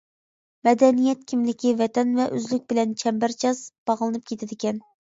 مەدەنىيەت كىملىكى ۋەتەن ۋە ئۆزلۈك بىلەن چەمبەرچاس باغلىنىپ كېتىدىكەن.